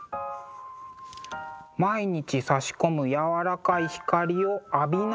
毎日さし込むやわらかい光を浴びながらの仕事。